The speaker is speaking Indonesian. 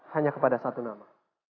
hanya kepada satu nama